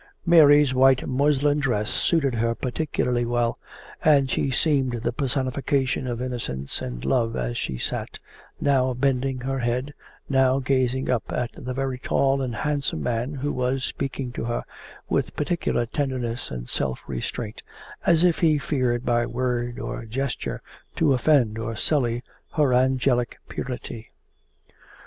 Mary's white muslin dress suited her particularly well, and she seemed the personification of innocence and love as she sat, now bending her head, now gazing up at the very tall and handsome man who was speaking to her with particular tenderness and self restraint, as if he feared by word or gesture to offend or sully her angelic purity.